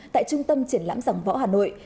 tại trung tâm triển lãm giảng võ hà nội